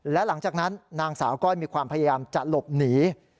และหลังจากนั้นนางสาวก้อยมีความพยายามจะหลบหนี